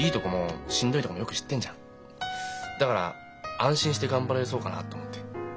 だから安心して頑張れそうかなと思って。